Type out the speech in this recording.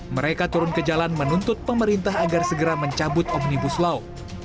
mereka turun ke jalan menuntut pemerintah agar segera mencabut omnibus law